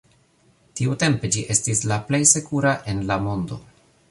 Tiutempe ĝi estis la plej sekura en la mondo.